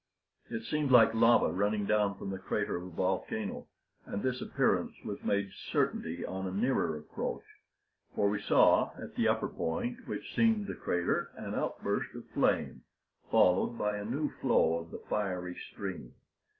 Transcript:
It seemed like lava running down from the crater of a volcano, and this appearance was made certainty on a nearer approach; for we saw at the upper point, which seemed the crater, an outburst of flame, followed by a new flow of the fiery stream.